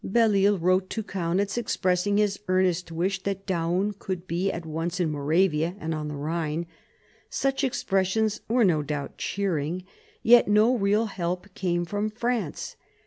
Belleisle wrote to Kaunitz, expressing his earnest wish that Daun could be at once in Moravia and on the Ehine. Such expressions were no doubt cheering. Yet no real help came from France.